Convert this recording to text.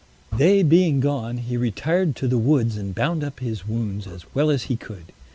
They being gone, he retired to the woods and bound up his wounds as well as he could.